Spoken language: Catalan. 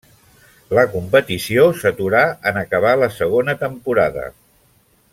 La competició s'aturà en acabar la segona temporada.